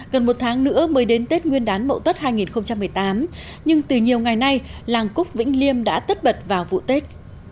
gần một tháng nữa mới đến tết nguyên đán mậu tuất hai nghìn một mươi tám nhưng từ nhiều ngày nay làng cúc vĩnh liêm đã tất bật vào vụ tết